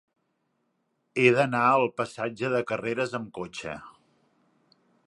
He d'anar al passatge de Carreras amb cotxe.